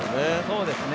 そうですね。